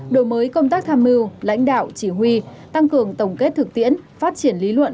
đổi mới công tác tham mưu lãnh đạo chỉ huy tăng cường tổng kết thực tiễn phát triển lý luận